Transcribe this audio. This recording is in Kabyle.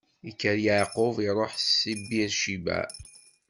Ikker Yeɛqub iṛuḥ si Bir Cibaɛ.